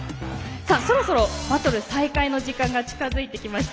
そろそろバトル再開の時間が近づいてきました。